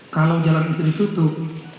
kalau jalan itu ditutup